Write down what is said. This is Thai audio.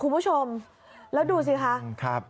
คุณผู้ชมแล้วดูสิคะ